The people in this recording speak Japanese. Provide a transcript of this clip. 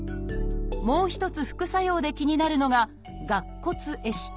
もう一つ副作用で気になるのが「顎骨壊死」。